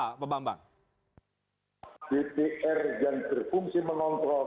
dpr yang berfungsi mengontrol